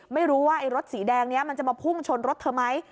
ไม่รู้ว่าไอ้รถสีแดงนี้มันจะมาพุ่งชนรถเธอไหม